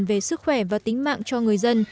về sức khỏe và tính mạng cho người dân